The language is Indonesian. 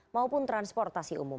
maupun transportasi umum